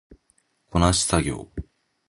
こなし作業